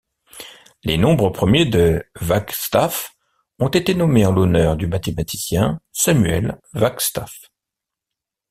Les nombres premiers de Wagstaff ont été nommés en l'honneur du mathématicien Samuel Wagstaff.